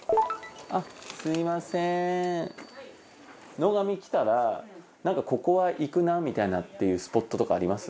野上来たらなんかここは行くなみたいなっていうスポットとかあります？